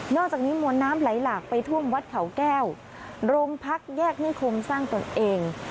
อกจากนี้มวลน้ำไหลหลากไปท่วมวัดเขาแก้วโรงพักแยกนิคมสร้างตนเอง